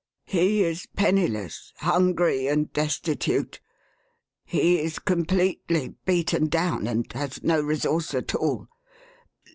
" He is penniless, hungry, and destitute. He is completely beaten down, and has no resource at all.